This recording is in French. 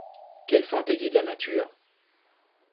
Quelle fantaisie de la nature !